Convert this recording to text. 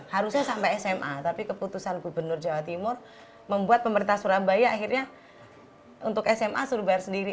harusnya sampai sma tapi keputusan gubernur jawa timur membuat pemerintah surabaya akhirnya untuk sma suruh bayar sendiri